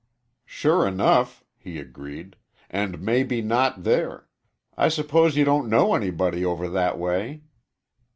"Sure enough," he agreed, "and maybe not there. I suppose you don't know anybody over that way."